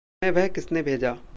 तुम्हें वह किसने भेजा?